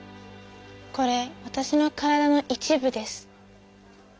これわたしの体の一部です。